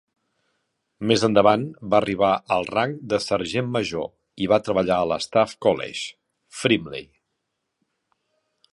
Més endavant va arribar al rang de sergent major i va treballar a l'Staff College, Frimley.